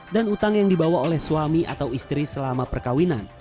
dan utang yang dibawa oleh suami atau istri selama perkawinan